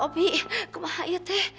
omi kemah aja teh